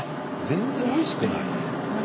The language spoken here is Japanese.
全然おいしくない？